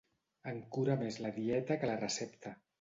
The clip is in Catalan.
En cura més la dieta que la recepta.